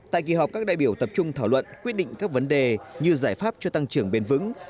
tại kỳ họp các đại biểu tập trung thảo luận quyết định các vấn đề như giải pháp cho tăng trưởng bền vững